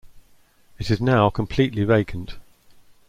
It is now completely vacant.